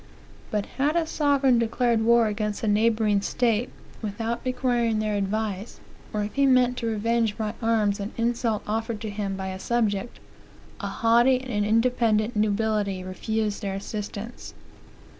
But had a sovereign declared war against a neighboring state, without requiring their advice, or if he meant to revenge by arms an insult offered to him by a subject, a haughty and independent nobility refused their assistance.